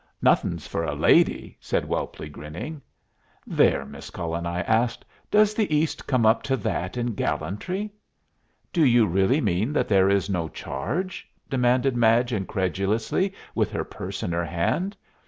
"Nothin' for a lady," said Welply, grinning. "There, Miss Cullen," I asked, "does the East come up to that in gallantry?" "Do you really mean that there is no charge?" demanded Madge, incredulously, with her purse in her hand.